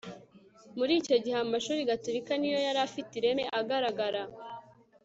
muri icyo gihe amashuri gatolika ni yo yari afite ireme, agaragara